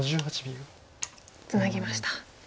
ツナぎました。